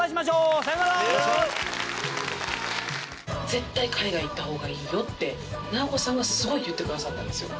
「絶対海外行った方がいいよ」って直子さんがすごい言ってくださったんですよ。